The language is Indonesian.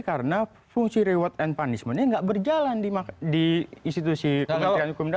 karena fungsi reward and punishmentnya nggak berjalan di institusi kementerian hukum dalam